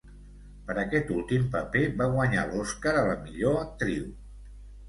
Per aquest últim paper va guanyar l'Oscar a la millor actriu.